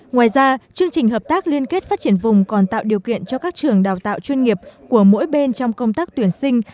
ngoài ra chương trình hợp tác liên kết phát triển vùng còn tạo điều kiện cho các trường đào tạo chuyên nghiệp của mỗi bên trong công tác tuyển sinh